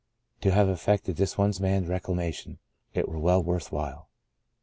To have effected this one man's reclamation, it were well worth while.